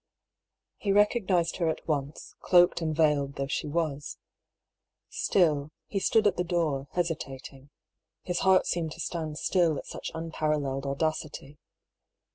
He recognised her at once, cloaked and veiled though she was. Still, he stood at the door, hesitating ; his heart seemed to stand still at such unparalleled audacity.